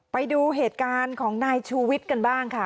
ไปดูเหตุการณ์ของนายชูวิทย์กันบ้างค่ะ